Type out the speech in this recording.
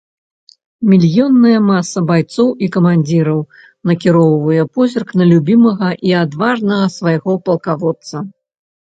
Мільённая маса байцоў і камандзіраў накіроўвае позірк на любімага і адважнага свайго палкаводца.